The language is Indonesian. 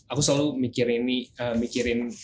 aku selalu mikirin ini